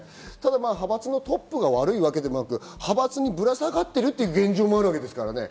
派閥のトップが悪いわけでなく、ぶら下がっているという現状もありますからね。